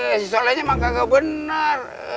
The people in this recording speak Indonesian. eh si solehnya mah kagak bener